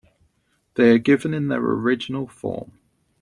They are given in their original form.